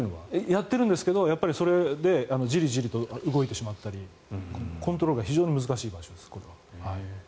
やってるんですけどそれでじりじりと動いてしまったりコントロールが非常に難しい場所です。